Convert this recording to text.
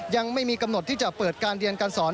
ยังไม่มีกำหนดที่จะเปิดการเรียนการสอน